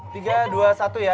tiga dua satu ya